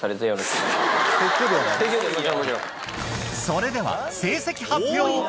それでは成績発表！